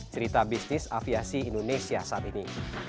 cerita bisnis aviasi indonesia saat ini